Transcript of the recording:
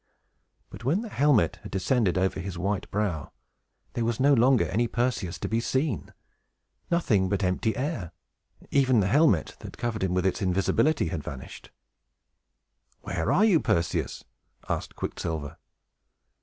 But when the helmet had descended over his white brow, there was no longer any Perseus to be seen! Nothing but empty air! Even the helmet, that covered him with its invisibility, had vanished! "Where are you, Perseus?" asked Quicksilver.